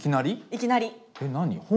いきなり。え何本？